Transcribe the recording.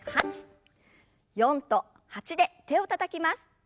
４と８で手をたたきます。